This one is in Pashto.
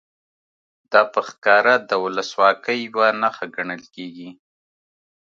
دا په ښکاره د ولسواکۍ یوه نښه ګڼل کېږي.